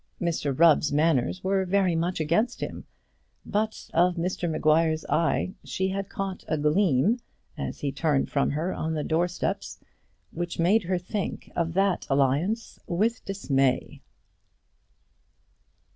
Mr Rubb's manners were very much against him; but of Mr Maguire's eye she had caught a gleam as he turned from her on the doorsteps, which made her think of that alliance with dismay.